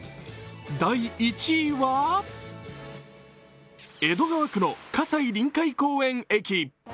第１位は、江戸川区の葛西臨海公園駅。